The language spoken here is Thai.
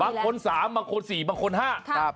บคนสามบังขึ้นสี่บังขึ้นห้า